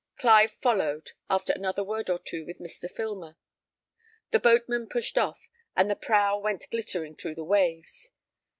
Clive followed, after another word or two with Mr. Filmer; the boatmen pushed off, and the prow went glittering through the waves.